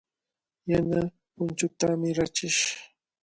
Yana punchuutami rachish.